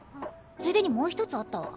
ついでにもう一つあったわ。